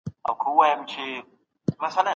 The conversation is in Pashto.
تجسس کول په قران کي په کلکه منع سوی دی.